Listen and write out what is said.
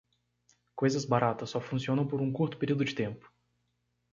Coisas baratas só funcionam por um curto período de tempo.